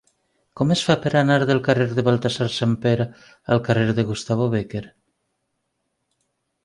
Com es fa per anar del carrer de Baltasar Samper el carrer de Gustavo Bécquer?